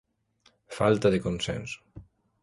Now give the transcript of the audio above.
Falta de consenso.